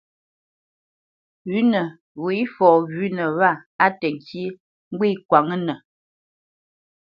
Pʉ̌nə wê fɔ wʉ̌nə wâ á təŋkyé, ŋgwê kwǎŋnə.